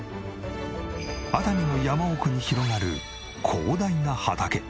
熱海の山奥に広がる広大な畑。